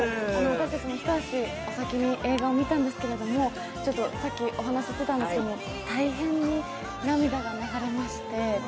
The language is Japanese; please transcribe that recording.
私たち、一足先に映画を見たんですけれども、さっきお話ししていたんですけど、大変な涙が流れまして。